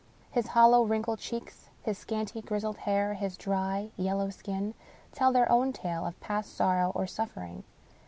His hollow wrinkled cheeks, his scanty grizzled hair, his dry yellow skin, tell their own tale of past sorrow or suffer ing.